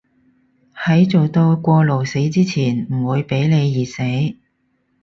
喺做到過勞死之前唔會畀你熱死